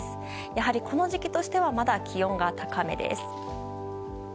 やはり、この時期としてはまだ気温が高めです。